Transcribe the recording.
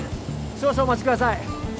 少々お待ちください